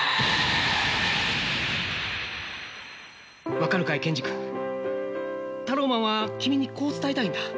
分かるかい健二君タローマンは君にこう伝えたいんだ。